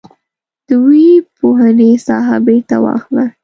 د ويي پوهنې ساحه بیرته واخله.